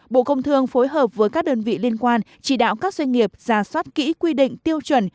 bộ công thương phối hợp với các đơn vị liên quan chỉ đạo các doanh nghiệp ra soát kỹ quy định tiêu chuẩn